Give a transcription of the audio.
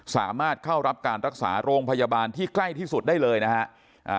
สามารถเข้ารับการรักษาโรงพยาบาลที่ใกล้ที่สุดได้เลยนะฮะ